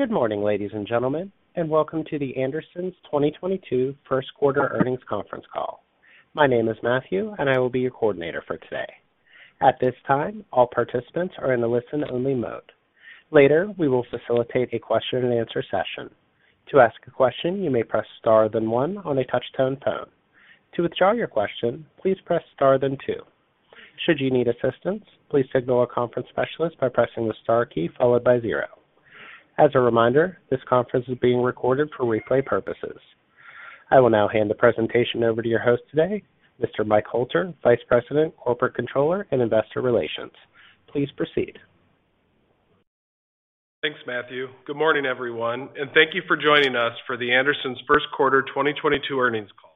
Good morning, ladies and gentlemen, and welcome to The Andersons 2022 first quarter earnings conference call. My name is Matthew, and I will be your coordinator for today. At this time, all participants are in a listen-only mode. Later, we will facilitate a question-and-answer session. To ask a question, you may press star then one on a touch-tone phone. To withdraw your question, please press star then two. Should you need assistance, please signal a conference specialist by pressing the star key followed by zero. As a reminder, this conference is being recorded for replay purposes. I will now hand the presentation over to your host today, Mr. Michael Hoelter, Vice President, Corporate Controller and Investor Relations. Please proceed. Thanks, Matthew. Good morning, everyone, and thank you for joining us for The Andersons' first quarter 2022 earnings call.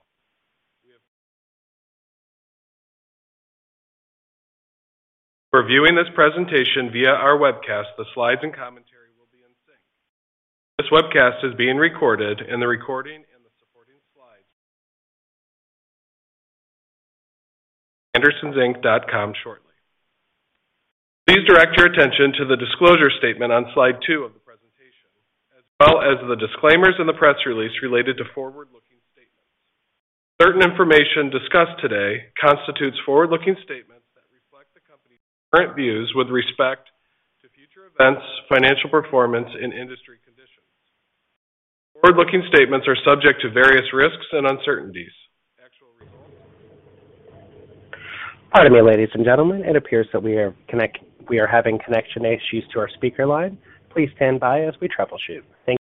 If you're viewing this presentation via our webcast, the slides and commentary will be in sync. This webcast is being recorded and the recording and the supporting slides will be available on andersonsinc.com shortly. Please direct your attention to the disclosure statement on slide two of the presentation, as well as the disclaimers in the press release related to forward-looking statements. Certain information discussed today constitutes forward-looking statements that reflect the company's current views with respect to future events, financial performance and industry conditions. Forward-looking statements are subject to various risks and uncertainties. Actual results. Pardon me, ladies and gentlemen. It appears that we are having connection issues to our speaker line. Please stand by as we troubleshoot. Thank you.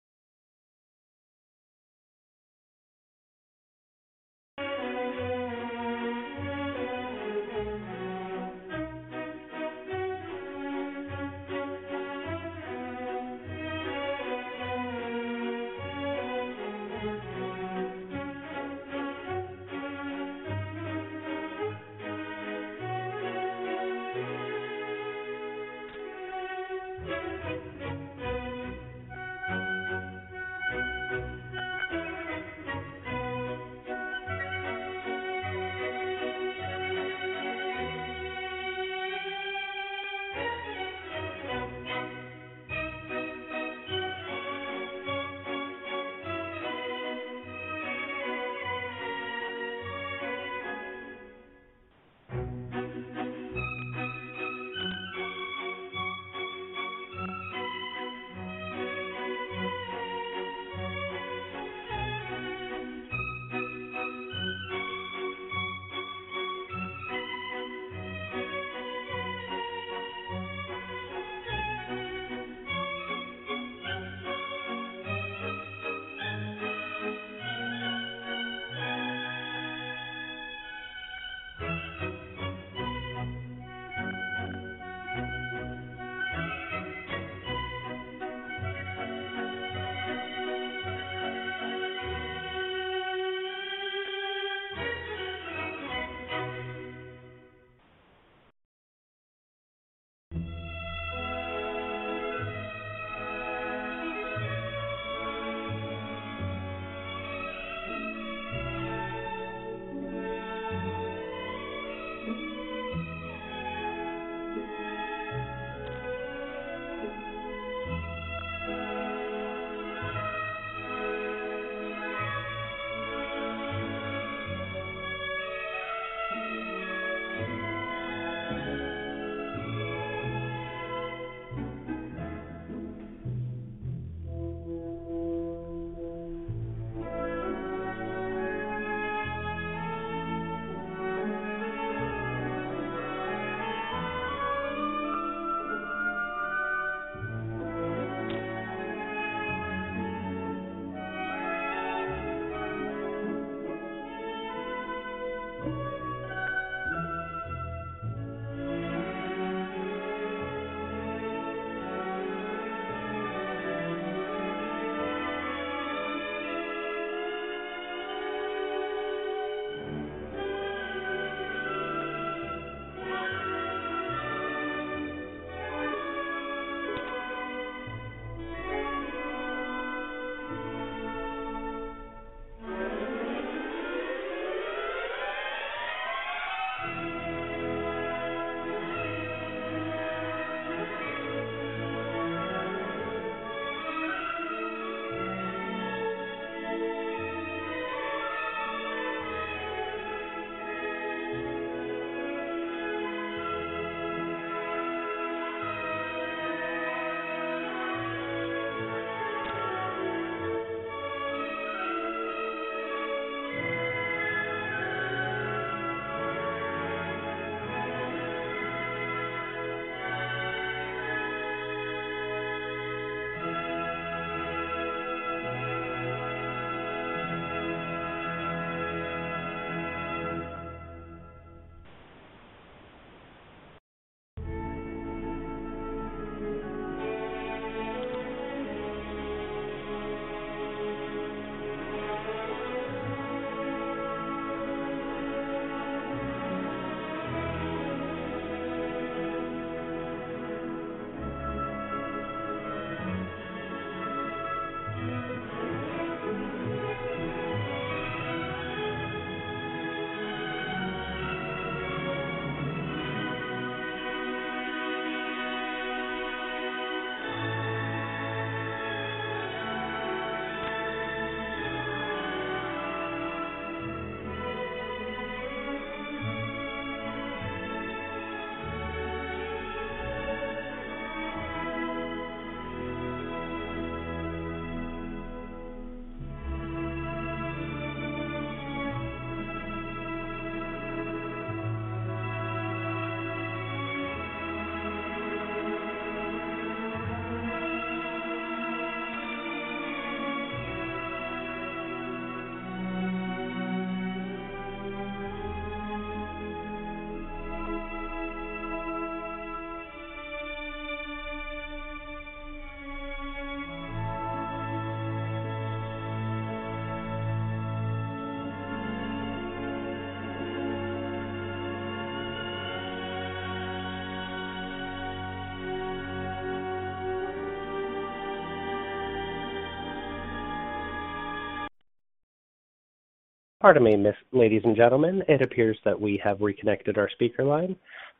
Pardon me, ladies and gentlemen. It appears that we have reconnected our speaker line.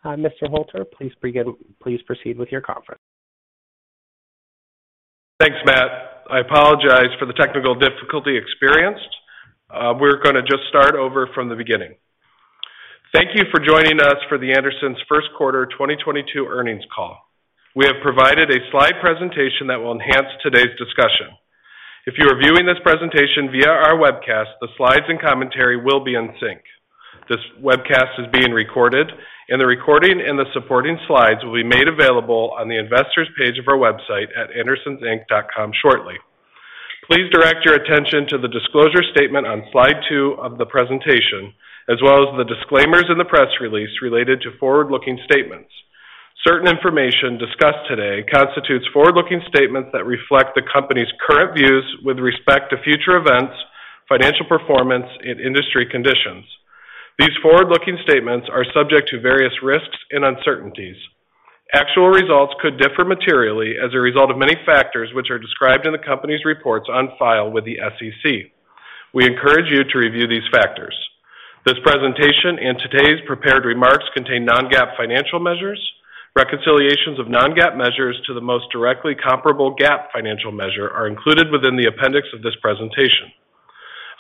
Mr. Hoelter, please proceed with your conference. Thanks, Matt. I apologize for the technical difficulty experienced. We're gonna just start over from the beginning. Thank you for joining us for the Andersons first quarter 2022 earnings call. We have provided a slide presentation that will enhance today's discussion. If you are viewing this presentation via our webcast, the slides and commentary will be in sync. This webcast is being recorded, and the recording and the supporting slides will be made available on the investor's page of our website at andersonsinc.com shortly. Please direct your attention to the disclosure statement on slide two of the presentation, as well as the disclaimers in the press release related to forward-looking statements. Certain information discussed today constitutes forward-looking statements that reflect the company's current views with respect to future events, financial performance, and industry conditions. These forward-looking statements are subject to various risks and uncertainties. Actual results could differ materially as a result of many factors, which are described in the company's reports on file with the SEC. We encourage you to review these factors. This presentation and today's prepared remarks contain non-GAAP financial measures. Reconciliations of non-GAAP measures to the most directly comparable GAAP financial measure are included within the appendix of this presentation.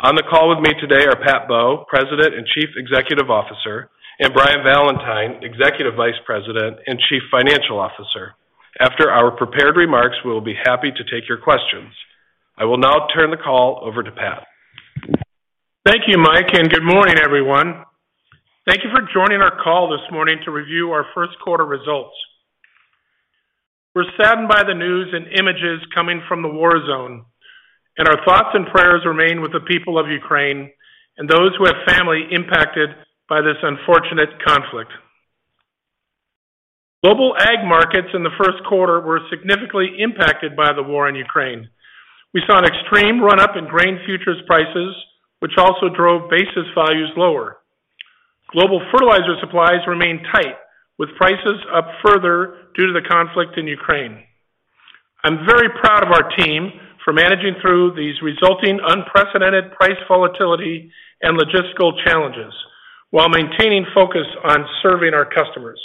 On the call with me today are Pat Bowe, President and Chief Executive Officer, and Brian Valentine, Executive Vice President and Chief Financial Officer. After our prepared remarks, we will be happy to take your questions. I will now turn the call over to Pat. Thank you, Mike, and good morning, everyone. Thank you for joining our call this morning to review our first quarter results. We're saddened by the news and images coming from the war zone, and our thoughts and prayers remain with the people of Ukraine and those who have family impacted by this unfortunate conflict. Global ag markets in the first quarter were significantly impacted by the war in Ukraine. We saw an extreme run-up in grain futures prices, which also drove basis values lower. Global fertilizer supplies remain tight, with prices up further due to the conflict in Ukraine. I'm very proud of our team for managing through these resulting unprecedented price volatility and logistical challenges while maintaining focus on serving our customers.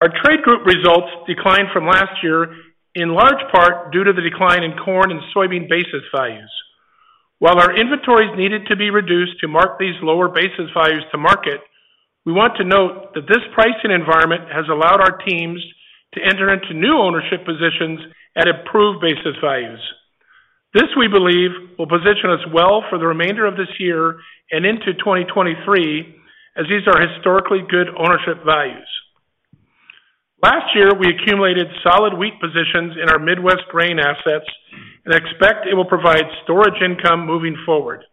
Our trade group results declined from last year, in large part due to the decline in corn and soybean basis values. While our inventories needed to be reduced to mark-to-market these lower basis values, we want to note that this pricing environment has allowed our teams to enter into new ownership positions at improved basis values. This, we believe, will position us well for the remainder of this year and into 2023, as these are historically good ownership values. Last year, we accumulated solid wheat positions in our Midwest grain assets and expect it will provide storage income moving forward.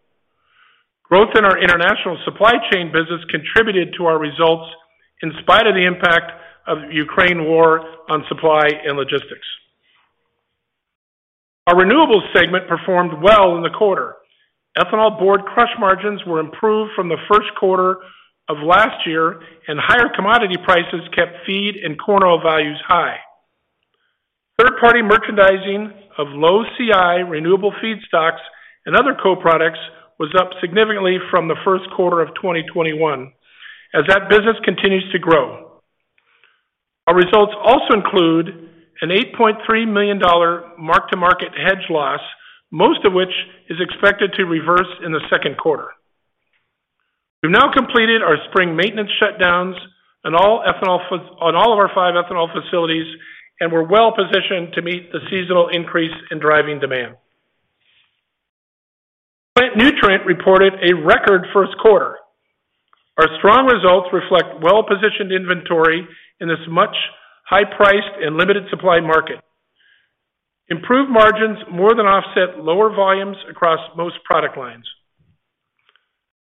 Growth in our international supply chain business contributed to our results in spite of the impact of Ukraine war on supply and logistics. Our renewables segment performed well in the quarter. Ethanol Board Crush margins were improved from the first quarter of last year, and higher commodity prices kept feed and corn oil values high. Third-party merchandising of low CI renewable feedstocks and other co-products was up significantly from the first quarter of 2021 as that business continues to grow. Our results also include an $8.3 million mark-to-market hedge loss, most of which is expected to reverse in the second quarter. We've now completed our spring maintenance shutdowns on all of our five ethanol facilities, and we're well-positioned to meet the seasonal increase in driving demand. Plant nutrient reported a record first quarter. Our strong results reflect well-positioned inventory in this much higher-priced and limited supply market. Improved margins more than offset lower volumes across most product lines.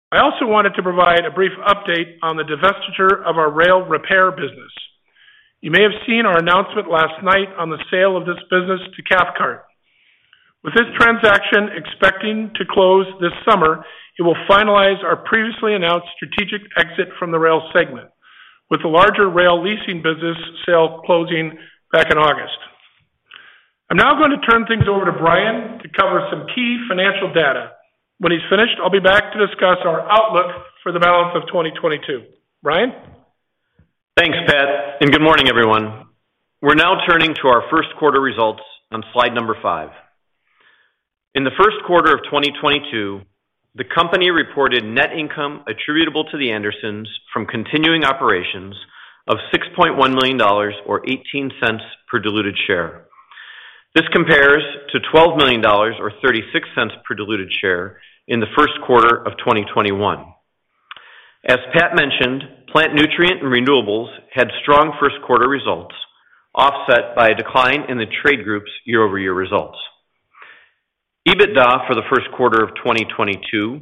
I also wanted to provide a brief update on the divestiture of our rail repair business. You may have seen our announcement last night on the sale of this business to Cathcart. With this transaction expecting to close this summer, it will finalize our previously announced strategic exit from the rail segment, with the larger rail leasing business sale closing back in August. I'm now going to turn things over to Brian to cover some key financial data. When he's finished, I'll be back to discuss our outlook for the balance of 2022. Brian? Thanks, Pat, and good morning, everyone. We're now turning to our first quarter results on slide number five. In the first quarter of 2022, the company reported net income attributable to The Andersons from continuing operations of $6.1 million or $0.18 per diluted share. This compares to $12 million or $0.36 per diluted share in the first quarter of 2021. As Pat mentioned, plant nutrient and renewables had strong first quarter results, offset by a decline in the trade group's year-over-year results. EBITDA for the first quarter of 2022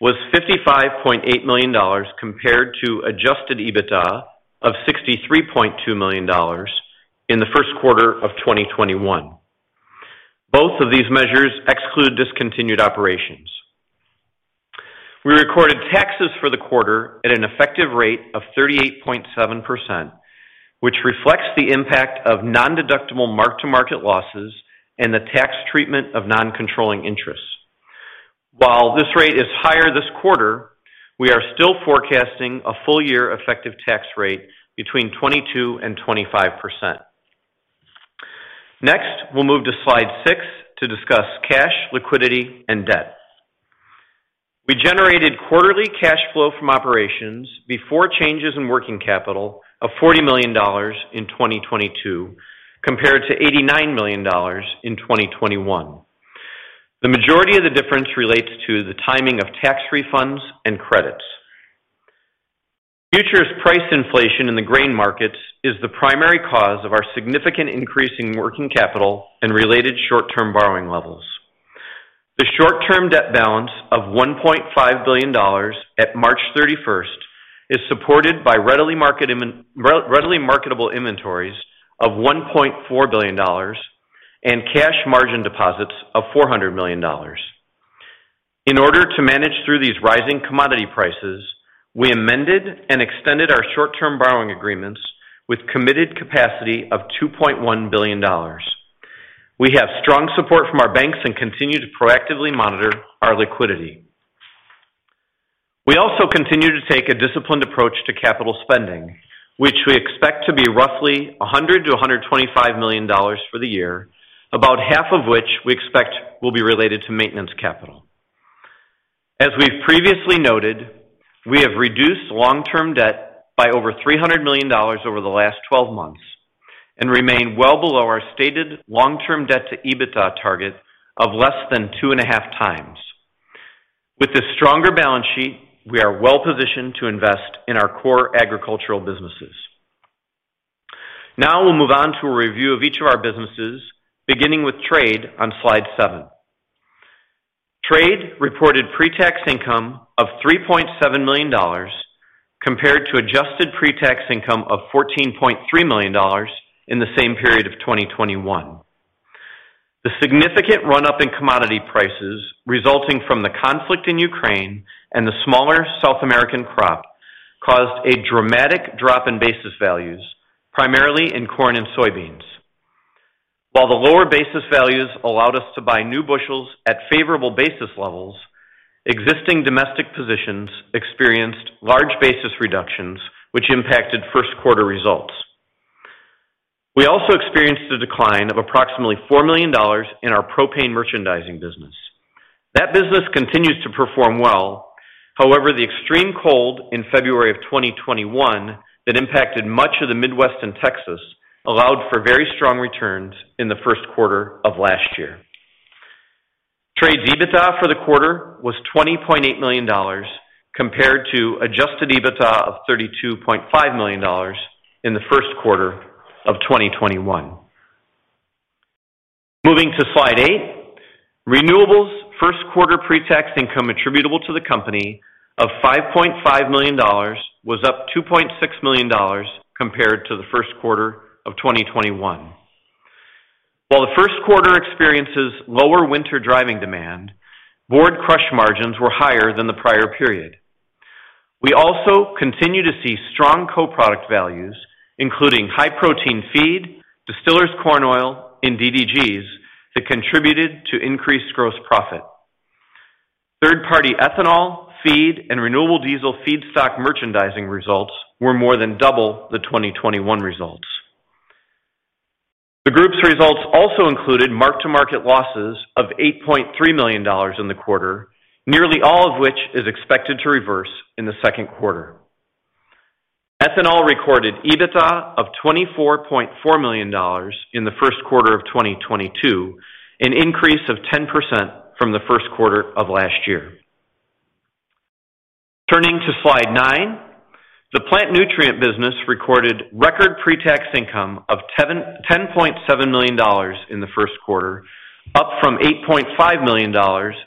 was $55.8 million compared to adjusted EBITDA of $63.2 million in the first quarter of 2021. Both of these measures exclude discontinued operations. We recorded taxes for the quarter at an effective rate of 38.7%, which reflects the impact of non-deductible mark-to-market losses and the tax treatment of non-controlling interests. While this rate is higher this quarter, we are still forecasting a full year effective tax rate between 22% and 25%. Next, we'll move to slide six to discuss cash, liquidity, and debt. We generated quarterly cash flow from operations before changes in working capital of $40 million in 2022, compared to $89 million in 2021. The majority of the difference relates to the timing of tax refunds and credits. Futures price inflation in the grain markets is the primary cause of our significant increase in working capital and related short-term borrowing levels. The short-term debt balance of $1.5 billion at March 31 is supported by readily marketable inventories of $1.4 billion and cash margin deposits of $400 million. In order to manage through these rising commodity prices, we amended and extended our short-term borrowing agreements with committed capacity of $2.1 billion. We have strong support from our banks and continue to proactively monitor our liquidity. We also continue to take a disciplined approach to capital spending, which we expect to be roughly $100-$125 million for the year, about 1/2 of which we expect will be related to maintenance capital. As we've previously noted, we have reduced long-term debt by over $300 million over the last 12 months and remain well below our stated long-term debt to EBITDA target of less than 2.5x. With this stronger balance sheet, we are well-positioned to invest in our core agricultural businesses. Now we'll move on to a review of each of our businesses, beginning with trade on slide seven. Trade reported pre-tax income of $3.7 million compared to adjusted pre-tax income of $14.3 million in the same period of 2021. The significant run-up in commodity prices resulting from the conflict in Ukraine and the smaller South American crop caused a dramatic drop in basis values, primarily in corn and soybeans. While the lower basis values allowed us to buy new bushels at favorable basis levels, existing domestic positions experienced large basis reductions which impacted first quarter results. We also experienced a decline of approximately $4 million in our propane merchandising business. That business continues to perform well. However, the extreme cold in February of 2021 that impacted much of the Midwest and Texas allowed for very strong returns in the first quarter of last year. Trade's EBITDA for the quarter was $20.8 million compared to adjusted EBITDA of $32.5 million in the first quarter of 2021. Moving to slide eight. Renewables first quarter pre-tax income attributable to the company of $5.5 million was up $2.6 million compared to the first quarter of 2021. While the first quarter experiences lower winter driving demand, Board Crush margins were higher than the prior period. We also continue to see strong co-product values, including high-protein feed, Distillers Corn Oil, and DDGs that contributed to increased gross profit. Third-party ethanol, feed, and renewable diesel feedstock merchandising results were more than double the 2021 results. The group's results also included mark-to-market losses of $8.3 million in the quarter, nearly all of which is expected to reverse in the second quarter. Ethanol recorded EBITDA of $24.4 million in the first quarter of 2022, an increase of 10% from the first quarter of last year. Turning to slide nine. The plant nutrient business recorded record pre-tax income of $10.7 million in the first quarter, up from $8.5 million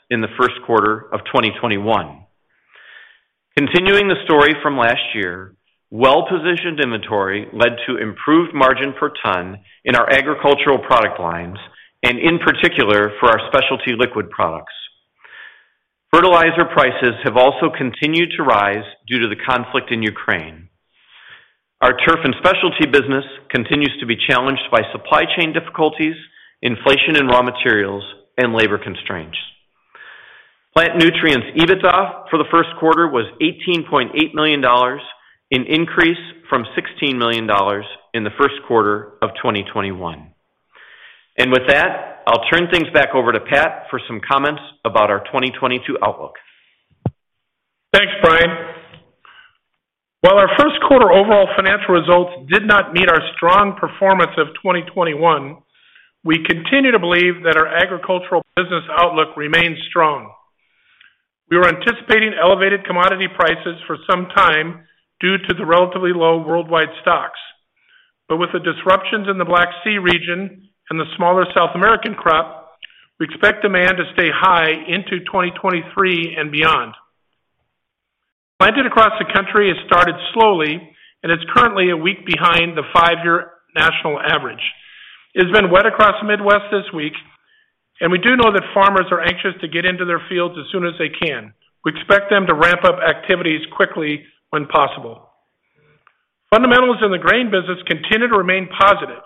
in the first quarter of 2021. Continuing the story from last year, well-positioned inventory led to improved margin per ton in our agricultural product lines, and in particular for our specialty liquid products. Fertilizer prices have also continued to rise due to the conflict in Ukraine. Our turf and specialty business continues to be challenged by supply chain difficulties, inflation in raw materials, and labor constraints. Plant nutrients EBITDA for the first quarter was $18.8 million, an increase from $16 million in the first quarter of 2021. With that, I'll turn things back over to Pat for some comments about our 2022 outlook. Thanks, Brian. While our first quarter overall financial results did not meet our strong performance of 2021, we continue to believe that our agricultural business outlook remains strong. We were anticipating elevated commodity prices for some time due to the relatively low worldwide stocks. With the disruptions in the Black Sea region and the smaller South American crop, we expect demand to stay high into 2023 and beyond. Planting across the country has started slowly, and it's currently a week behind the five-year national average. It's been wet across the Midwest this week, and we do know that farmers are anxious to get into their fields as soon as they can. We expect them to ramp up activities quickly when possible. Fundamentals in the grain business continue to remain positive.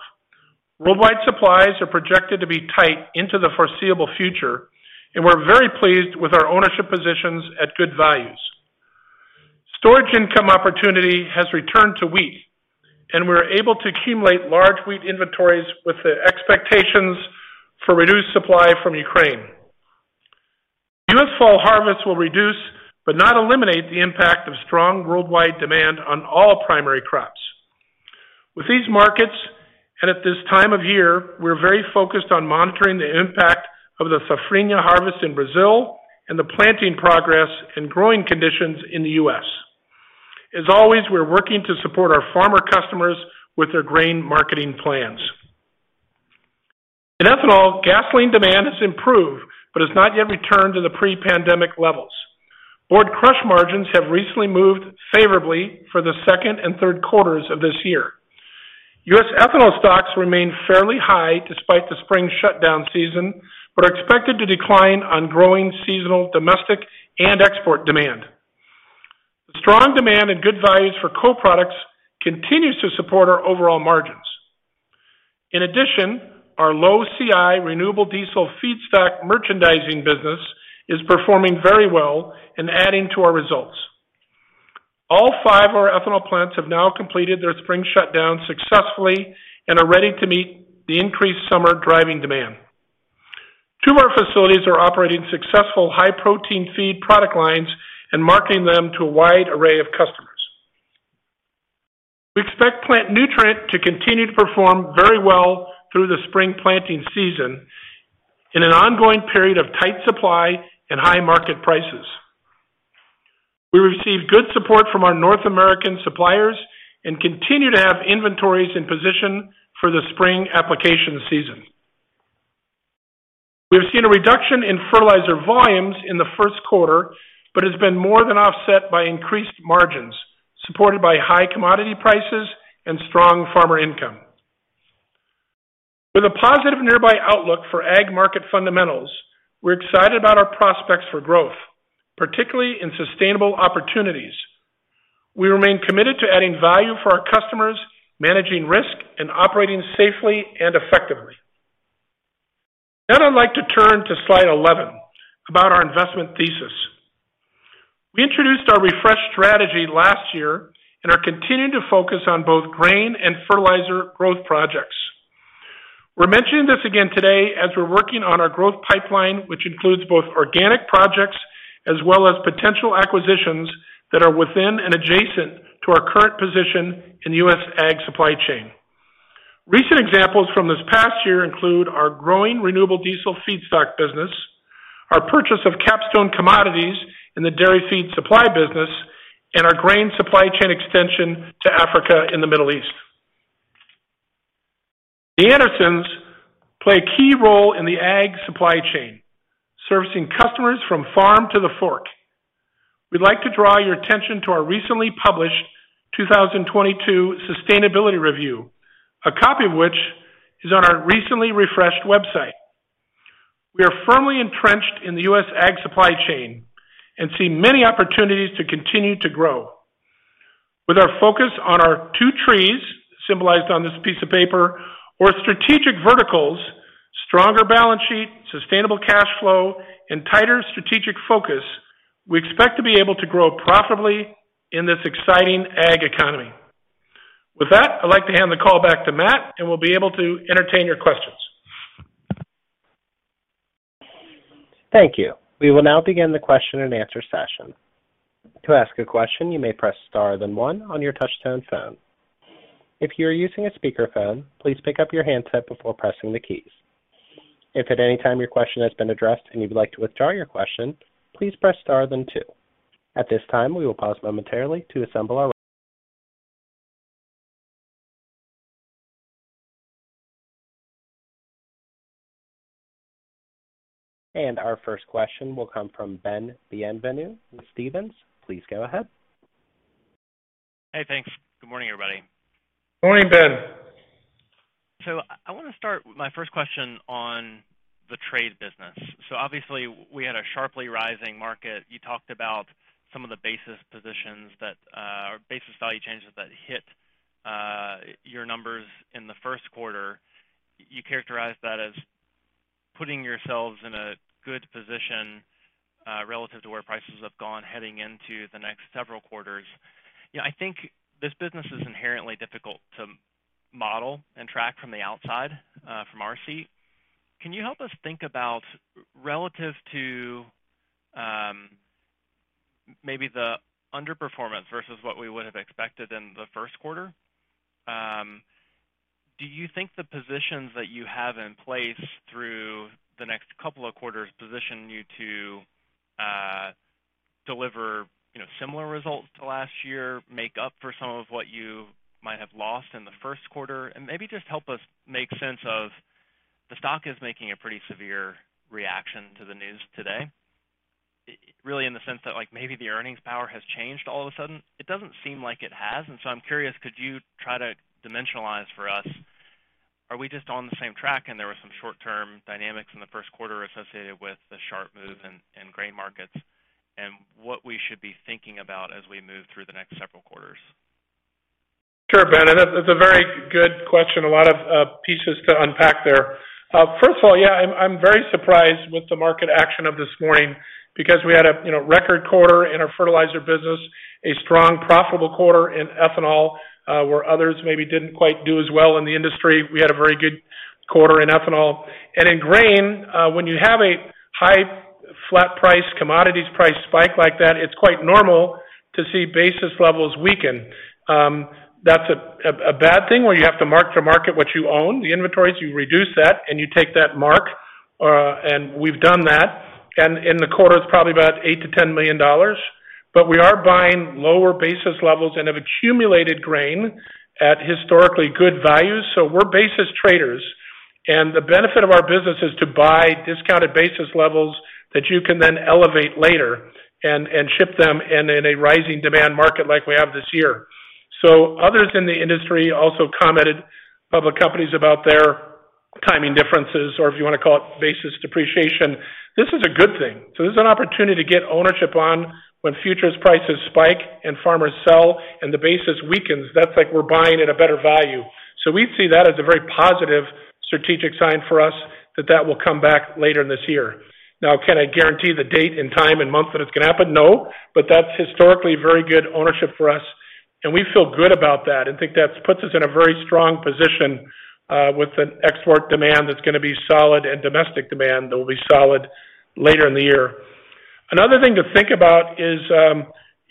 Worldwide supplies are projected to be tight into the foreseeable future, and we're very pleased with our ownership positions at good values. Storage income opportunity has returned to wheat, and we're able to accumulate large wheat inventories with the expectations for reduced supply from Ukraine. U.S. fall harvest will reduce but not eliminate the impact of strong worldwide demand on all primary crops. With these markets, and at this time of year, we're very focused on monitoring the impact of the safrinha harvest in Brazil and the planting progress and growing conditions in the U.S. As always, we're working to support our farmer customers with their grain marketing plans. In ethanol, gasoline demand has improved but has not yet returned to the pre-pandemic levels. Board Crush margins have recently moved favorably for the second and third quarters of this year. U.S. ethanol stocks remain fairly high despite the spring shutdown season, but are expected to decline on growing seasonal, domestic, and export demand. The strong demand and good values for co-products continues to support our overall margins. In addition, our low CI renewable diesel feedstock merchandising business is performing very well and adding to our results. All five of our ethanol plants have now completed their spring shutdown successfully and are ready to meet the increased summer driving demand. Two of our facilities are operating successful high-protein feed product lines and marketing them to a wide array of customers. We expect plant nutrient to continue to perform very well through the spring planting season in an ongoing period of tight supply and high market prices. We receive good support from our North American suppliers and continue to have inventories in position for the spring application season. We've seen a reduction in fertilizer volumes in the first quarter, but it's been more than offset by increased margins supported by high commodity prices and strong farmer income. With a positive nearby outlook for ag market fundamentals, we're excited about our prospects for growth, particularly in sustainable opportunities. We remain committed to adding value for our customers, managing risk, and operating safely and effectively. Now, I'd like to turn to slide 11 about our investment thesis. We introduced our refreshed strategy last year and are continuing to focus on both grain and fertilizer growth projects. We're mentioning this again today as we're working on our growth pipeline, which includes both organic projects as well as potential acquisitions that are within and adjacent to our current position in the U.S. ag supply chain. Recent examples from this past year include our growing renewable diesel feedstock business, our purchase of Capstone Commodities in the dairy feed supply business, and our grain supply chain extension to Africa and the Middle East. The Andersons play a key role in the ag supply chain, servicing customers from farm to the fork. We'd like to draw your attention to our recently published 2022 sustainability review, a copy of which is on our recently refreshed website. We are firmly entrenched in the U.S. ag supply chain and see many opportunities to continue to grow. With our focus on our two trees, symbolized on this piece of paper, our strategic verticals, stronger balance sheet, sustainable cash flow, and tighter strategic focus, we expect to be able to grow profitably in this exciting ag economy. With that, I'd like to hand the call back to Matt, and we'll be able to entertain your questions. Thank you. We will now begin the question and answer session. To ask a question, you may press star then one on your touch-tone phone. If you are using a speakerphone, please pick up your handset before pressing the keys. If at any time your question has been addressed and you'd like to withdraw your question, please press star then two. At this time, we will pause momentarily to assemble. Our first question will come from Ben Bienvenu with Stephens. Please go ahead. Hey, thanks. Good morning, everybody. Morning, Ben. I want to start my first question on the trade business. Obviously, we had a sharply rising market. You talked about some of the basis positions that, or basis value changes that hit, your numbers in the first quarter. You characterized that as putting yourselves in a good position, relative to where prices have gone heading into the next several quarters. You know, I think this business is inherently difficult to model and track from the outside, from our seat. Can you help us think about relative to, maybe the underperformance versus what we would have expected in the first quarter? Do you think the positions that you have in place through the next couple of quarters position you to deliver, you know, similar results to last year, make up for some of what you might have lost in the first quarter? Maybe just help us make sense of the stock is making a pretty severe reaction to the news today, really in the sense that, like, maybe the earnings power has changed all of a sudden. It doesn't seem like it has. I'm curious, could you try to dimensionalise for us, are we just on the same track and there were some short-term dynamics in the first quarter associated with the sharp move in grain markets, and what we should be thinking about as we move through the next several quarters? Sure, Ben. That's a very good question. A lot of pieces to unpack there. First of all, yeah, I'm very surprised with the market action of this morning because we had a record quarter in our fertilizer business, a strong profitable quarter in ethanol, where others maybe didn't quite do as well in the industry. We had a very good quarter in ethanol. In grain, when you have a high flat price, commodities price spike like that, it's quite normal to see basis levels weaken. That's a bad thing where you have to mark-to-market what you own, the inventories, you reduce that and you take that mark, and we've done that. In the quarter, it's probably about $8-$10 million. We are buying lower basis levels and have accumulated grain at historically good values. We're basis traders. The benefit of our business is to buy discounted basis levels that you can then elevate later and ship them in a rising demand market like we have this year. Others in the industry also commented, public companies, about their timing differences, or if you wanna call it basis depreciation. This is a good thing. This is an opportunity to get ownership on when futures prices spike and farmers sell and the basis weakens. That's like we're buying at a better value. We see that as a very positive strategic sign for us that will come back later this year. Now, can I guarantee the date and time and month that it's gonna happen? No, but that's historically very good ownership for us, and we feel good about that and think that puts us in a very strong position with an export demand that's gonna be solid and domestic demand that will be solid later in the year. Another thing to think about is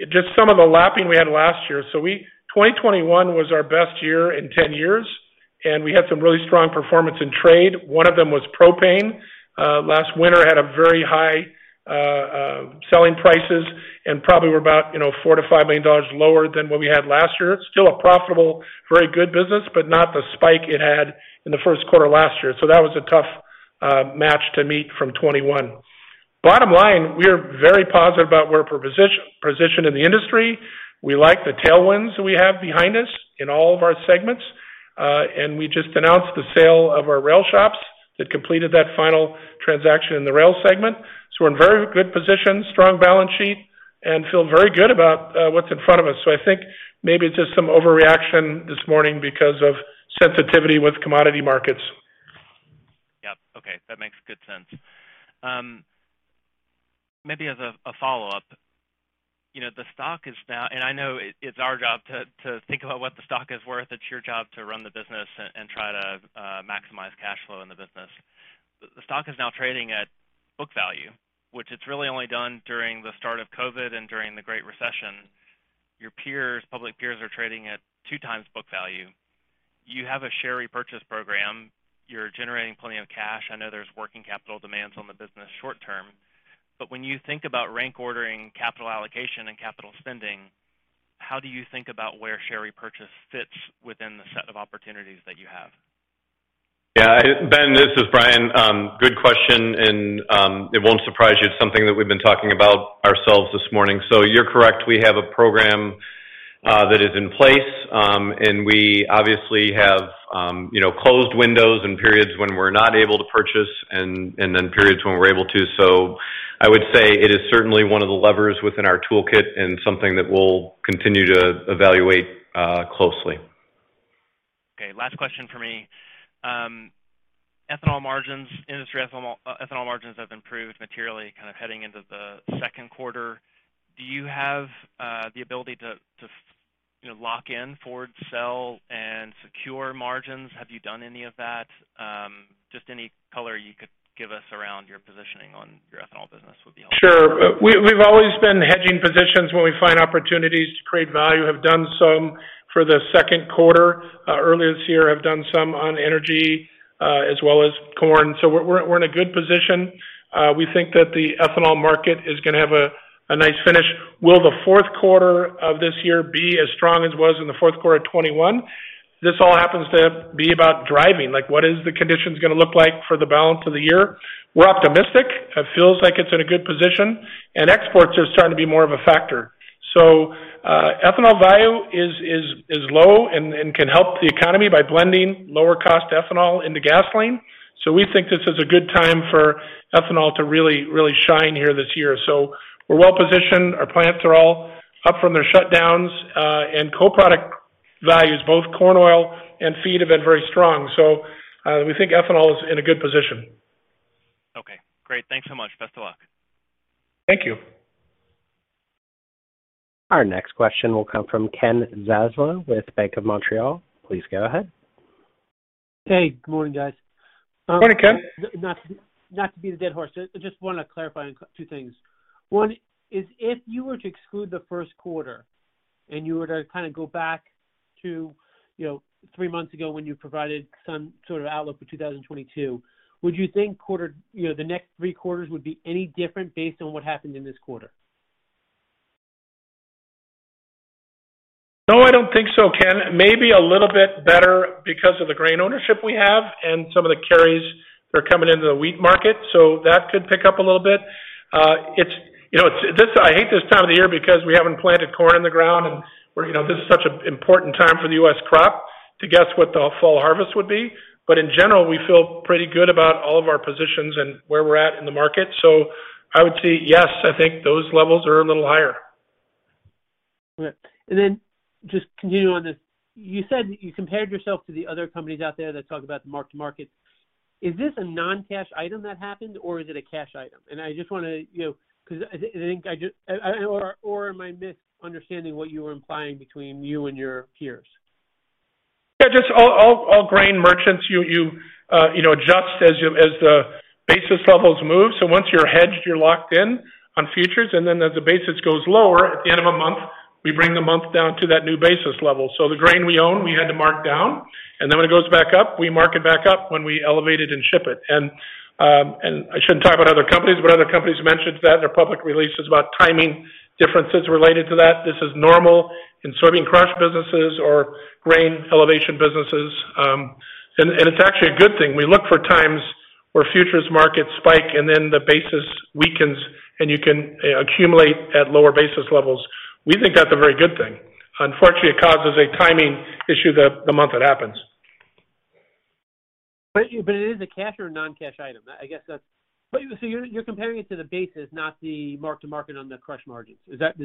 just some of the lapping we had last year. 2021 was our best year in 10 years, and we had some really strong performance in trade. One of them was propane. Last winter had a very high selling prices and probably were about, you know, $4 million-$5 million lower than what we had last year. Still a profitable, very good business, but not the spike it had in the first quarter last year. That was a tough match to meet from 2021. Bottom line, we are very positive about where we're positioned in the industry. We like the tailwinds we have behind us in all of our segments. We just announced the sale of our rail shops that completed that final transaction in the rail segment. We're in very good position, strong balance sheet, and feel very good about what's in front of us. I think maybe just some overreaction this morning because of sensitivity with commodity markets. Yeah. Okay. That makes good sense. Maybe as a follow-up. You know, the stock is now, and I know it's our job to think about what the stock is worth. It's your job to run the business and try to maximize cash flow in the business. The stock is now trading at book value, which it's really only done during the start of COVID and during the Great Recession. Your peers, public peers are trading at two times book value. You have a share repurchase program. You're generating plenty of cash. I know there's working capital demands on the business short term. When you think about rank ordering capital allocation and capital spending, how do you think about where share repurchase fits within the set of opportunities that you have? Yeah. Ben, this is Brian. Good question, and it won't surprise you. It's something that we've been talking about ourselves this morning. You're correct. We have a program that is in place, and we obviously have, you know, closed windows and periods when we're not able to purchase and then periods when we're able to. I would say it is certainly one of the levers within our toolkit and something that we'll continue to evaluate closely. Okay, last question for me. Ethanol margins, industry ethanol margins have improved materially kind of heading into the second quarter. Do you have the ability to, you know, lock in forward sell and secure margins? Have you done any of that? Just any color you could give us around your positioning on your ethanol business would be helpful. Sure. We've always been hedging positions when we find opportunities to create value, have done some for the second quarter. Earlier this year, I've done some on energy, as well as corn. We're in a good position. We think that the ethanol market is gonna have a nice finish. Will the fourth quarter of this year be as strong as was in the fourth quarter of 2021? This all happens to be about driving. Like what is the conditions gonna look like for the balance of the year? We're optimistic. It feels like it's in a good position, and exports are starting to be more of a factor. Ethanol value is low and can help the economy by blending lower cost ethanol into gasoline. We think this is a good time for ethanol to really, really shine here this year. We're well positioned. Our plants are all up from their shutdowns, and co-product values, both corn oil and feed have been very strong. We think ethanol is in a good position. Okay, great. Thanks so much. Best of luck. Thank you. Our next question will come from Ken Zaslow with BMO Capital Markets. Please go ahead. Hey, good morning, guys. Morning, Ken. Not to beat a dead horse, I just wanna clarify on two things. One is if you were to exclude the first quarter and you were to kind of go back to, you know, three months ago when you provided some sort of outlook for 2022, would you think you know, the next three quarters would be any different based on what happened in this quarter? No, I don't think so, Ken. Maybe a little bit better because of the grain ownership we have and some of the carries that are coming into the wheat market, so that could pick up a little bit. You know, I hate this time of the year because we haven't planted corn in the ground and we're, you know, this is such an important time for the U.S. crop to guess what the fall harvest would be. In general, we feel pretty good about all of our positions and where we're at in the market. I would say yes, I think those levels are a little higher. Okay. Just continue on this. You said you compared yourself to the other companies out there that talk about mark-to-market. Is this a non-cash item that happened or is it a cash item? I just wanna, you know, 'cause I think, or am I misunderstanding what you were implying between you and your peers? Yeah, just all grain merchants, you know, adjust as the basis levels move. Once you're hedged, you're locked in on futures, and then as the basis goes lower at the end of a month, we bring the month down to that new basis level. The grain we own, we had to mark down, and then when it goes back up, we mark it back up when we elevate it and ship it. I shouldn't talk about other companies, but other companies mentioned that in their public releases about timing differences related to that. This is normal in soybean crush businesses or grain elevation businesses. It's actually a good thing. We look for times where futures markets spike and then the basis weakens and you can accumulate at lower basis levels. We think that's a very good thing. Unfortunately, it causes a timing issue the month it happens. It is a cash or non-cash item? I guess that's. You're comparing it to the basis, not the mark-to-market on the crush margins. Is that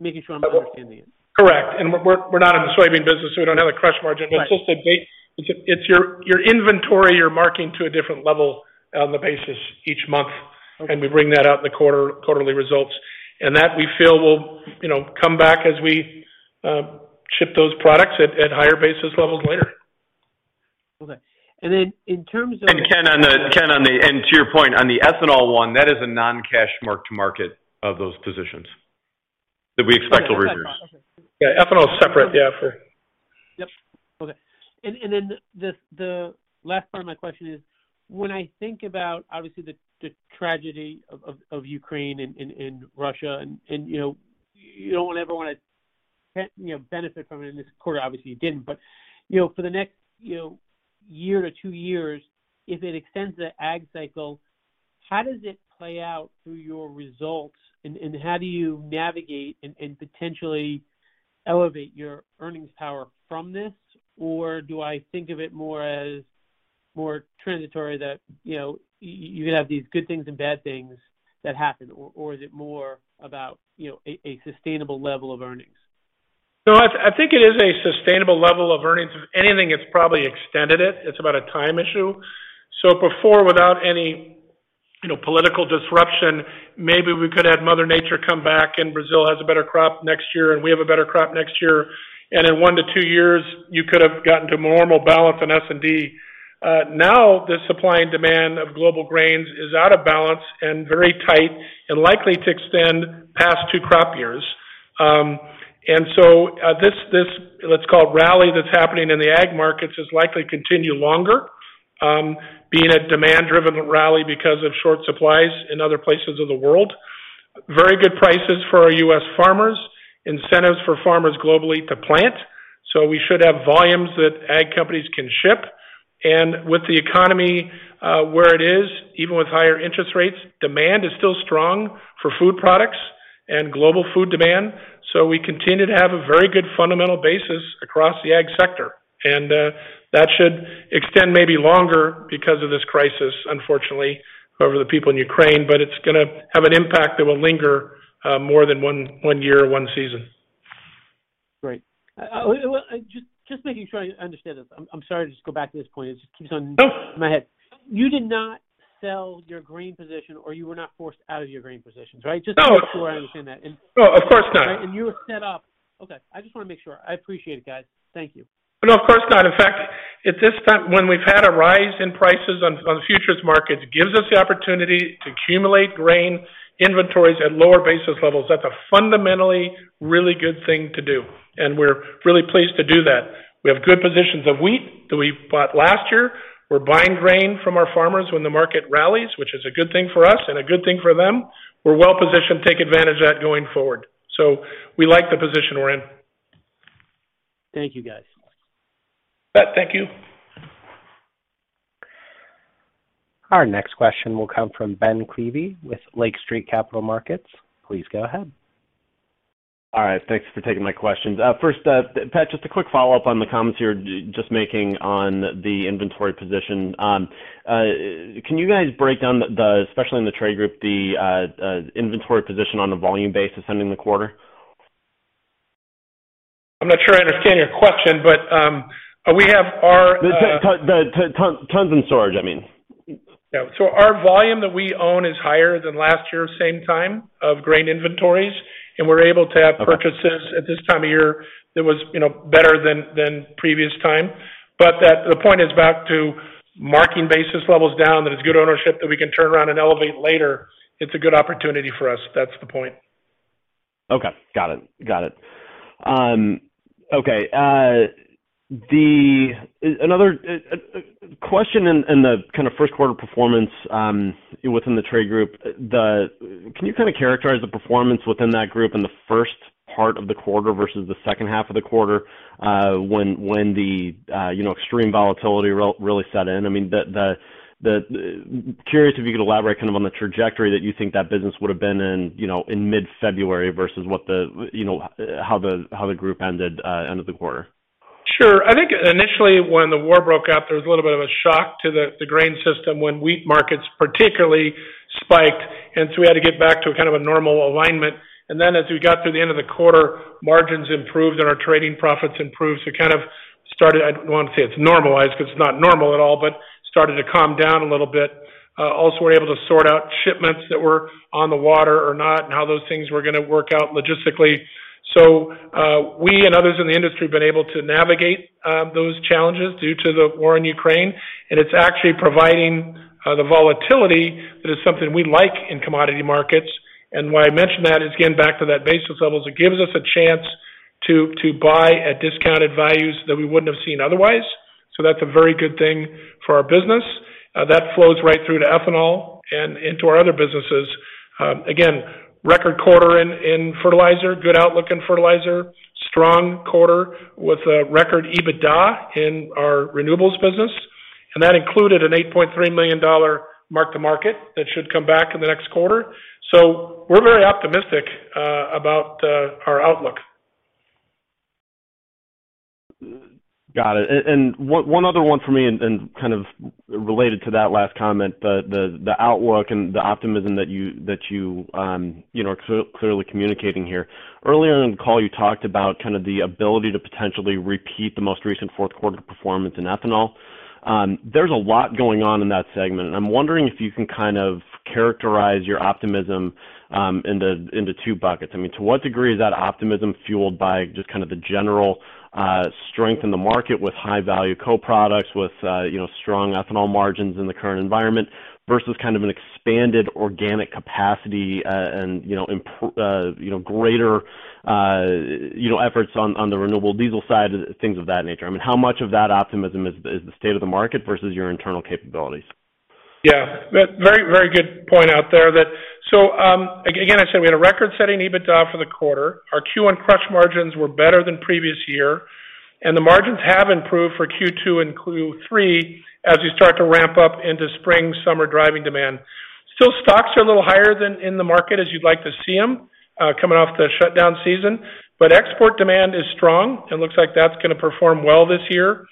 making sure I'm understanding it? Correct. We're not in the soybean business, so we don't have a crush margin. Right. It's your inventory you're marking to a different level on the basis each month. Okay. We bring that out in the quarter, quarterly results. That we feel will, you know, come back as we ship those products at higher basis levels later. Okay. In terms of- To your point on the ethanol one, that is a non-cash mark-to-market of those positions that we expect over years. Okay. Yeah, ethanol is separate, yeah. Yep. Okay. The last part of my question is, when I think about obviously the tragedy of Ukraine and Russia and, you know, you don't ever wanna, you know, benefit from it in this quarter, obviously you didn't. You know, for the next, you know, year to two years, if it extends the ag cycle, how does it play out through your results and how do you navigate and potentially elevate your earnings power from this? Do I think of it more as more transitory that, you know, you have these good things and bad things that happen? Is it more about, you know, a sustainable level of earnings? No, I think it is a sustainable level of earnings. If anything, it's probably extended it. It's about a time issue. Before, without any, you know, political disruption, maybe we could have Mother Nature come back and Brazil has a better crop next year and we have a better crop next year. In one to two years, you could have gotten to more normal balance in S&D. Now the supply and demand of global grains is out of balance and very tight and likely to extend past two crop years. This let's call it rally that's happening in the ag markets is likely continue longer, being a demand-driven rally because of short supplies in other places of the world. Very good prices for our U.S. farmers, incentives for farmers globally to plant. We should have volumes that ag companies can ship. With the economy where it is, even with higher interest rates, demand is still strong for food products and global food demand. We continue to have a very good fundamental basis across the ag sector. That should extend maybe longer because of this crisis, unfortunately, over the people in Ukraine, but it's gonna have an impact that will linger more than one year or one season. Great. Well, just making sure I understand this. I'm sorry to just go back to this point. It just keeps on. No. You did not sell your grain position or you were not forced out of your grain positions, right? No. Just to make sure I understand that. No, of course not. You were set up. Okay, I just wanna make sure. I appreciate it, guys. Thank you. No, of course not. In fact, at this time, when we've had a rise in prices on the futures markets, gives us the opportunity to accumulate grain inventories at lower basis levels. That's a fundamentally really good thing to do, and we're really pleased to do that. We have good positions of wheat that we bought last year. We're buying grain from our farmers when the market rallies, which is a good thing for us and a good thing for them. We're well-positioned to take advantage of that going forward. We like the position we're in. Thank you, guys. Ben, thank you. Our next question will come from Ben Klieve with Lake Street Capital Markets. Please go ahead. All right. Thanks for taking my questions. First, Pat, just a quick follow-up on the comments you're just making on the inventory position. Can you guys break down the inventory position, especially in the trade group, on a volume basis ending the quarter? I'm not sure I understand your question, but we have our The tons in storage, I mean. Yeah. Our volume that we own is higher than last year same time of grain inventories, and we're able to have Okay. Purchases at this time of year that was, you know, better than previous time. That the point is back to marking basis levels down, that it's good ownership that we can turn around and elevate later. It's a good opportunity for us. That's the point. Okay. Got it. Another question in the kind of first quarter performance within the trade group. Can you kind of characterize the performance within that group in the first part of the quarter versus the H2 of the quarter, when the you know, extreme volatility really set in? I mean, curious if you could elaborate kind of on the trajectory that you think that business would have been in, you know, in mid-February versus what the you know, how the group ended end of the quarter. Sure. I think initially when the war broke out, there was a little bit of a shock to the grain system when wheat markets particularly spiked, and we had to get back to kind of a normal alignment. As we got through the end of the quarter, margins improved and our trading profits improved. Kind of started, I don't want to say it's normalized because it's not normal at all, but started to calm down a little bit. Also we're able to sort out shipments that were on the water or not and how those things were gonna work out logistically. We and others in the industry have been able to navigate those challenges due to the war in Ukraine, and it's actually providing the volatility that is something we like in commodity markets. Why I mention that is, again, back to that basis levels, it gives us a chance to buy at discounted values that we wouldn't have seen otherwise. That's a very good thing for our business. That flows right through to ethanol and into our other businesses. Again, record quarter in fertilizer, good outlook in fertilizer, strong quarter with a record EBITDA in our renewables business. That included an $8.3 million mark-to-market that should come back in the next quarter. We're very optimistic about our outlook. Got it. One other one for me and kind of related to that last comment, the outlook and the optimism that you you know are clearly communicating here. Earlier in the call, you talked about kind of the ability to potentially repeat the most recent fourth quarter performance in ethanol. There's a lot going on in that segment, and I'm wondering if you can kind of characterize your optimism into two buckets. I mean, to what degree is that optimism fueled by just kind of the general strength in the market with high value co-products with you know strong ethanol margins in the current environment versus kind of an expanded organic capacity and you know greater you know efforts on the renewable diesel side, things of that nature. I mean, how much of that optimism is the state of the market versus your internal capabilities? Yeah. Very good point out there that I said we had a record-setting EBITDA for the quarter. Our Q1 crush margins were better than previous year, and the margins have improved for Q2 and Q3 as we start to ramp up into spring, summer driving demand. Still, stocks are a little higher than in the market as you'd like to see them coming off the shutdown season, but export demand is strong, and looks like that's gonna perform well this year.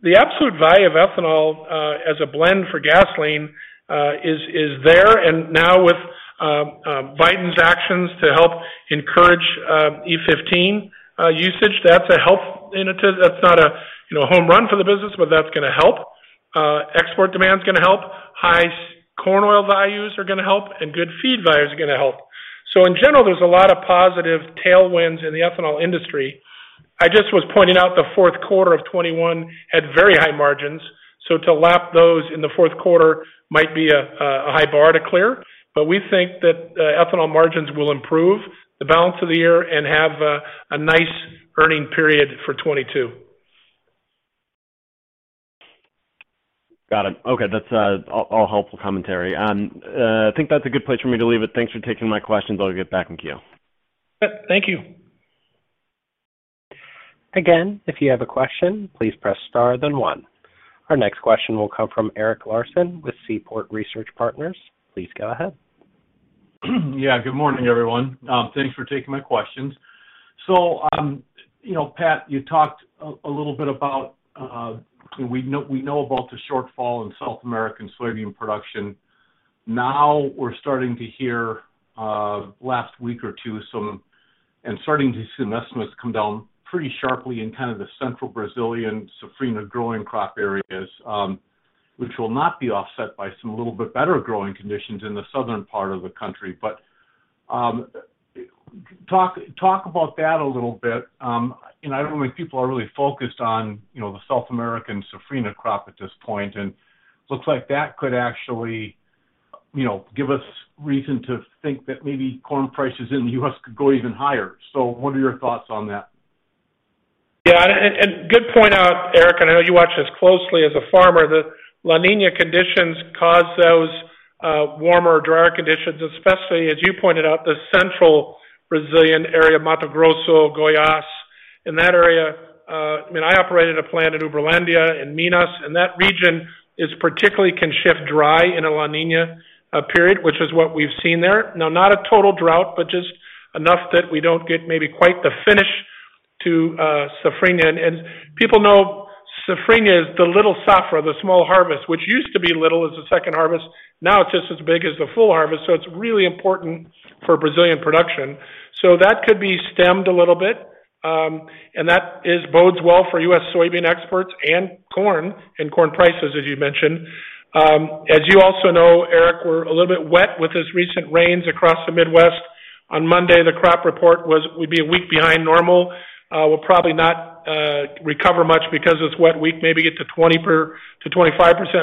The absolute value of ethanol as a blend for gasoline is there. Now with Biden's actions to help encourage E15 usage, that's a help. It is. That's not a, you know, home run for the business, but that's gonna help. Export demand is gonna help. High corn oil values are gonna help, and good feed values are gonna help. In general, there's a lot of positive tailwinds in the ethanol industry. I just was pointing out the fourth quarter of 2021 had very high margins, so to lap those in the fourth quarter might be a high bar to clear. We think that ethanol margins will improve the balance of the year and have a nice earnings period for 2022. Got it. Okay. That's all helpful commentary. I think that's a good place for me to leave it. Thanks for taking my questions. I'll get back in queue. Thank you. Again, if you have a question, please press star then one. Our next question will come from Eric Larson with Seaport Research Partners. Please go ahead. Yeah, good morning, everyone. Thanks for taking my questions. You know, Pat, you talked a little bit about, we know about the shortfall in South American soybean production. Now we're starting to hear, last week or two some, and starting to see the estimates come down pretty sharply in kind of the central Brazilian safrinha growing crop areas, which will not be offset by some little bit better growing conditions in the southern part of the country. Talk about that a little bit. I don't know if people are really focused on, you know, the South American safrinha crop at this point, and looks like that could actually, you know, give us reason to think that maybe corn prices in the U.S. could go even higher. What are your thoughts on that? Yeah. Good point, Eric, and I know you watch this closely as a farmer. The La Niña conditions cause those warmer, drier conditions, especially as you pointed out, the central Brazilian area, Mato Grosso, Goiás. In that area, I mean, I operated a plant in Uberlândia, in Minas, and that region is particularly can shift dry in a La Niña period, which is what we've seen there. Now, not a total drought, but just enough that we don't get maybe quite the finish to safrinha. People know safrinha is the little safra, the small harvest, which used to be little as the second harvest. Now it's just as big as the full harvest, so it's really important for Brazilian production. That could be stemmed a little bit, and that bodes well for U.S. soybean exports and corn, and corn prices, as you mentioned. As you also know, Eric, we're a little bit wet with this recent rains across the Midwest. On Monday, the crop report would be a week behind normal. We'll probably not recover much because it's wet week, maybe get to 25%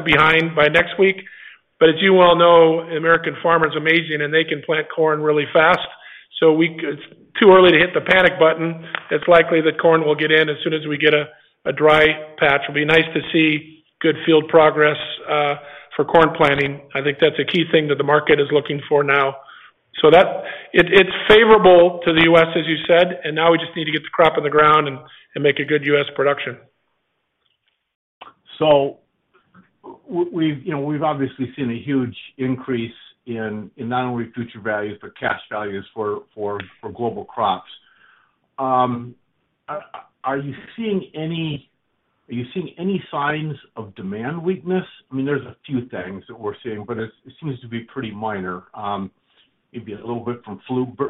behind by next week. But as you well know, American farmer is amazing, and they can plant corn really fast. It's too early to hit the panic button. It's likely that corn will get in as soon as we get a dry patch. It'll be nice to see good field progress for corn planting. I think that's a key thing that the market is looking for now. It's favorable to the U.S., as you said, and now we just need to get the crop in the ground and make a good U.S. production. We've, you know, we've obviously seen a huge increase in not only futures values, but cash values for global crops. Are you seeing any signs of demand weakness? I mean, there's a few things that we're seeing, but it seems to be pretty minor. Maybe a little bit from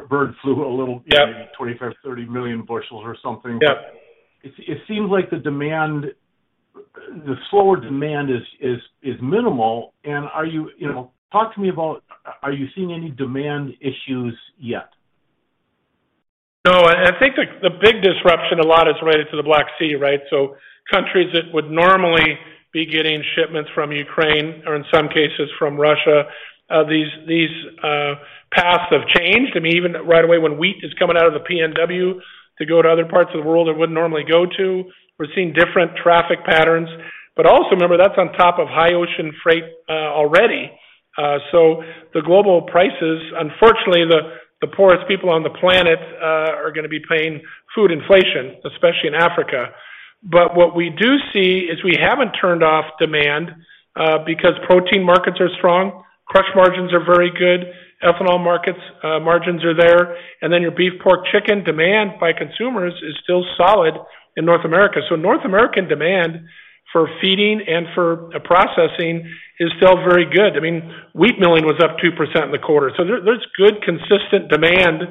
bird flu, a little. Yeah. Maybe 25-30 million bushels or something. Yeah. It seems like the demand, the slower demand is minimal. You know, talk to me about are you seeing any demand issues yet? No. I think the big disruption a lot is related to the Black Sea, right? Countries that would normally be getting shipments from Ukraine or in some cases from Russia, these paths have changed. I mean, even right away when wheat is coming out of the PNW to go to other parts of the world it wouldn't normally go to, we're seeing different traffic patterns. Also remember, that's on top of high ocean freight, already. The global prices, unfortunately, the poorest people on the planet are gonna be paying food inflation, especially in Africa. What we do see is we haven't turned off demand, because protein markets are strong, crush margins are very good, ethanol markets, margins are there, and then your beef, pork, chicken demand by consumers is still solid in North America. North American demand for feeding and for processing is still very good. I mean, wheat milling was up 2% in the quarter. There, there's good consistent demand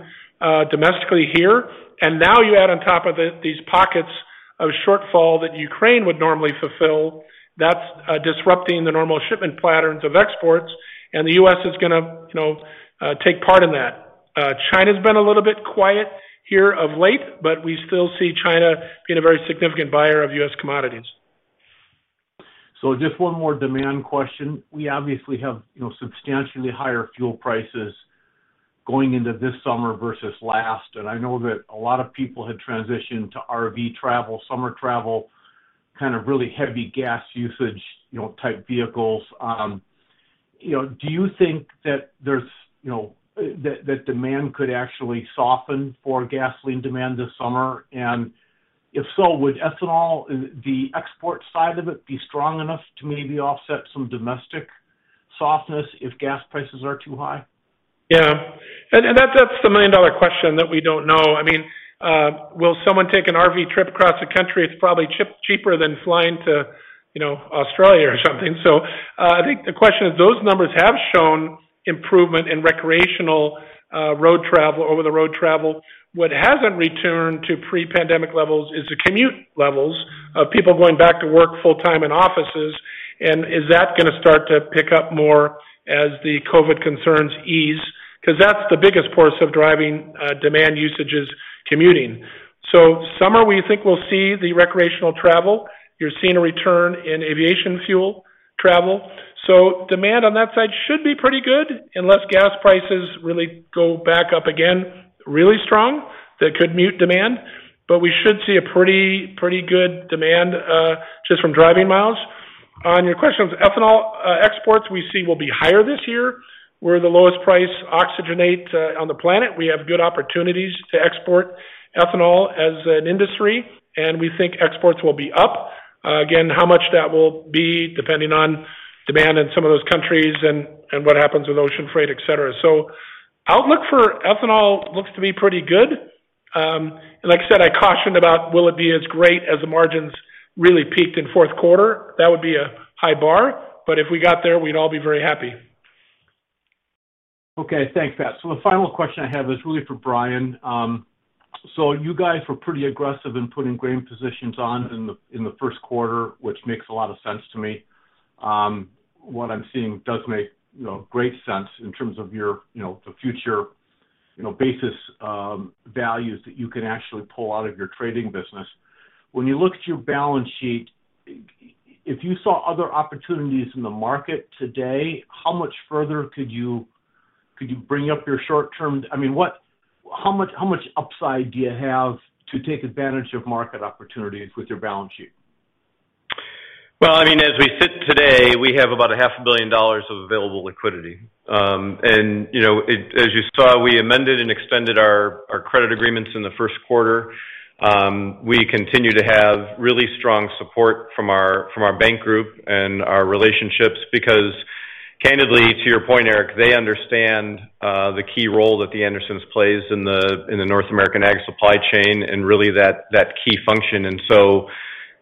domestically here. Now you add on top of it these pockets of shortfall that Ukraine would normally fulfill. That's disrupting the normal shipment patterns of exports, and the U.S. is gonna, you know, take part in that. China's been a little bit quiet here of late, but we still see China being a very significant buyer of U.S. commodities. Just one more demand question. We obviously have, you know, substantially higher fuel prices going into this summer versus last. I know that a lot of people had transitioned to RV travel, summer travel, kind of really heavy gas usage, you know, type vehicles. You know, do you think that there's, you know, that demand could actually soften for gasoline demand this summer? And if so, would ethanol, the export side of it be strong enough to maybe offset some domestic softness if gas prices are too high? Yeah. That's the million-dollar question that we don't know. I mean, will someone take an RV trip across the country? It's probably cheaper than flying to, you know, Australia or something. I think the question is, those numbers have shown improvement in recreational road travel, over-the-road travel. What hasn't returned to pre-pandemic levels is the commute levels of people going back to work full-time in offices. Is that gonna start to pick up more as the COVID concerns ease? 'Cause that's the biggest force of driving demand usage, is commuting. Summer, we think we'll see the recreational travel. You're seeing a return in aviation fuel travel. Demand on that side should be pretty good unless gas prices really go back up again really strong. That could mute demand. We should see a pretty good demand just from driving miles. On your question of ethanol exports, we see will be higher this year. We're the lowest price oxygenate on the planet. We have good opportunities to export ethanol as an industry, and we think exports will be up. Again, how much that will be depending on demand in some of those countries and what happens with ocean freight, et cetera. Outlook for ethanol looks to be pretty good. Like I said, I cautioned about will it be as great as the margins really peaked in fourth quarter. That would be a high bar, but if we got there, we'd all be very happy. Okay. Thanks, Pat. The final question I have is really for Brian. You guys were pretty aggressive in putting grain positions on in the first quarter, which makes a lot of sense to me. What I'm seeing does make, you know, great sense in terms of your, you know, the futures, you know, basis values that you can actually pull out of your trading business. When you look at your balance sheet, if you saw other opportunities in the market today, how much further could you bring up your short-term. I mean, how much upside do you have to take advantage of market opportunities with your balance sheet? Well, I mean, as we sit today, we have about a half a billion dollars of available liquidity. You know, it, as you saw, we amended and extended our credit agreements in the first quarter. We continue to have really strong support from our bank group and our relationships because candidly, to your point, Eric, they understand the key role that The Andersons plays in the North American ag supply chain and really that key function.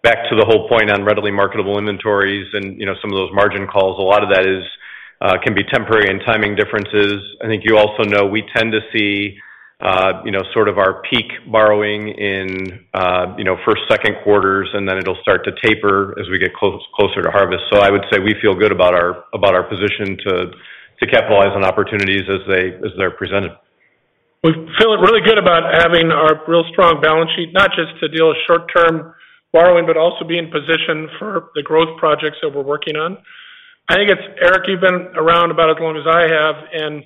Back to the whole point on readily marketable inventories and, you know, some of those margin calls, a lot of that is can be temporary and timing differences. I think you also know we tend to see, you know, sort of our peak borrowing in, you know, first, second quarters, and then it'll start to taper as we get closer to harvest. I would say we feel good about our position to capitalize on opportunities as they're presented. We're feeling really good about having our real strong balance sheet, not just to deal with short-term borrowing, but also be in position for the growth projects that we're working on. I think it's Eric, you've been around about as long as I have, and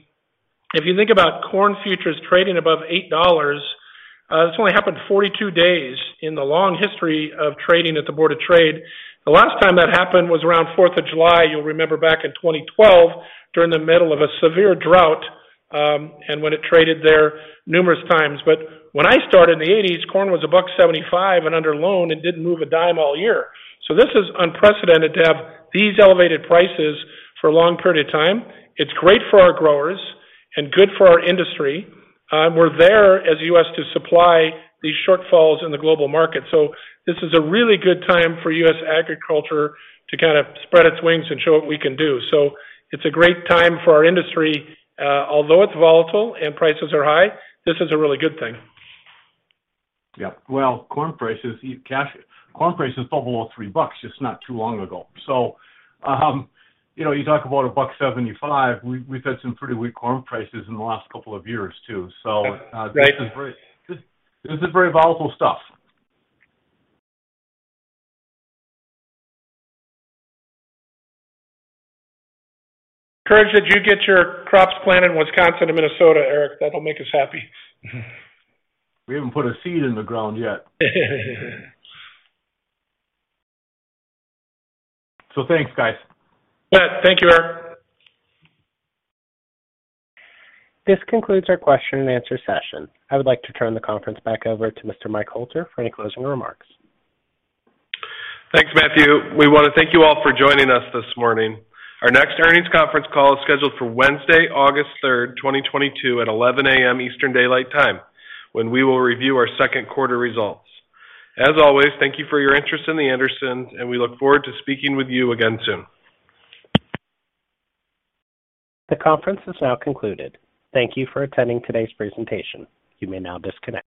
if you think about corn futures trading above $8, this only happened 42 days in the long history of trading at the Board of Trade. The last time that happened was around Fourth of July. You'll remember back in 2012 during the middle of a severe drought, and when it traded there numerous times. When I started in the 1980s, corn was $1.75 and under loan and didn't move a dime all year. This is unprecedented to have these elevated prices for a long period of time. It's great for our growers and good for our industry. We're there as the U.S. to supply these shortfalls in the global market. This is a really good time for U.S. agriculture to kind of spread its wings and show what we can do. It's a great time for our industry. Although it's volatile and prices are high, this is a really good thing. Yeah. Well, corn prices fell below $3 just not too long ago. You know, you talk about $1.75. We've had some pretty weak corn prices in the last couple of years too. This is very volatile stuff. Encourage that you get your crops planted in Wisconsin and Minnesota, Eric. That'll make us happy. We haven't put a seed in the ground yet. Thanks, guys. Yeah. Thank you, Eric. This concludes our question and answer session. I would like to turn the conference back over to Mr. Michael Hoelter for any closing remarks. Thanks, Matthew. We wanna thank you all for joining us this morning. Our next earnings conference call is scheduled for Wednesday, August 3, 2022 at 11:00 AM Eastern Daylight Time, when we will review our second quarter results. As always, thank you for your interest in The Andersons, and we look forward to speaking with you again soon. The conference is now concluded. Thank you for attending today's presentation. You may now disconnect.